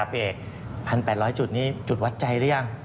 พี่เอก๑๘๐๐จุดนี้จุดวัดใจหรือยัง